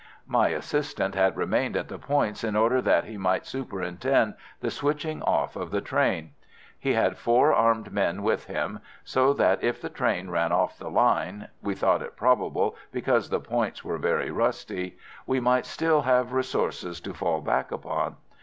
"My assistant had remained at the points in order that he might superintend the switching off of the train. He had four armed men with him, so that if the train ran off the line—we thought it probable, because the points were very rusty—we might still have resources to fall back upon.